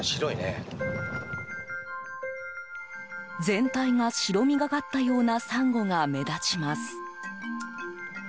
全体が白みがかったようなサンゴが、目立ちます。